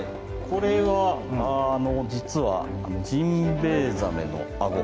これは実はジンベエザメのあご。